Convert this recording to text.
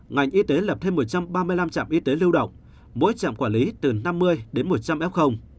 ngành y tế lập thêm một trăm ba mươi năm trạm y tế lưu động mỗi trạm quản lý từ năm mươi đến một trăm linh f